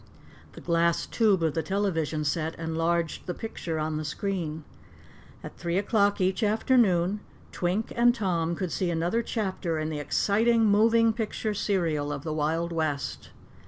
The glass tube of the television set enlarged the picture on the screen. At three o'clock each afternoon Twink and Tom could see another chapter in the exciting moving picture serial of the wild west.